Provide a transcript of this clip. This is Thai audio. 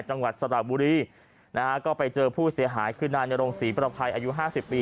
จังหวัดสระบุรีนะฮะก็ไปเจอผู้เสียหายคือนายนรงศรีประภัยอายุห้าสิบปี